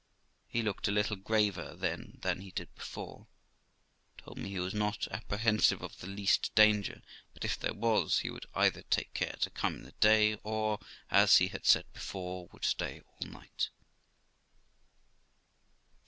He looked a little graver then than he did before, told me he was not apprehensive of the least danger, but if there was, he would either take care to come in the day, or, as he had said before, would stay all night.